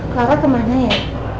clara kemana ya